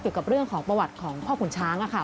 เกี่ยวกับเรื่องของประวัติของพ่อขุนช้างค่ะ